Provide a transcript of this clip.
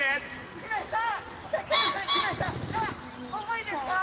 重いですか？